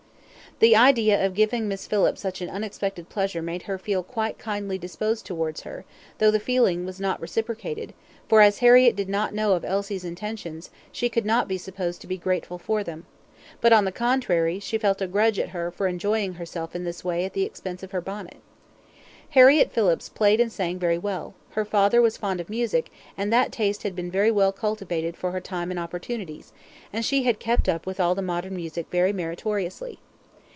The idea of giving Miss Phillips such an unexpected pleasure made her feel quite kindly disposed towards her, though the feeling was not reciprocated, for as Harriett did not know of Elsie's intentions, she could not be supposed to be grateful for them; but, on the contrary, she felt a grudge at her for enjoying herself in this way at the expense of her bonnet. Harriett Phillips played and sang very well; her father was fond of music, and that taste had been very well cultivated for her time and opportunities, and she had kept up with all the modern music very meritoriously.